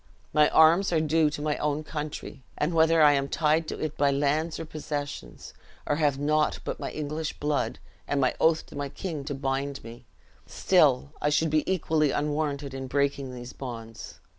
My arms are due to my own country; and whether I am tied to it by lands or possessions, or have naught but my English blood and my oath to my king to bind me, still I should be equally unwarranted in breaking these bonds.